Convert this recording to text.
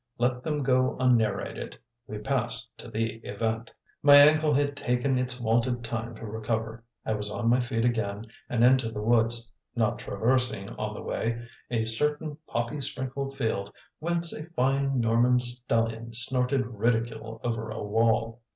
Let them go unnarrated; we pass to the event. My ankle had taken its wonted time to recover. I was on my feet again and into the woods not traversing, on the way, a certain poppy sprinkled field whence a fine Norman stallion snorted ridicule over a wall.